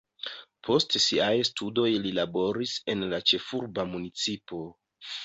Post siaj studoj li laboris en la ĉefurba municipo.